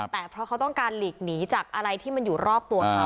แต่เพราะเขาต้องการหลีกหนีจากอะไรที่มันอยู่รอบตัวเขา